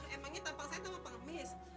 emangnya tampak saya sama pengemis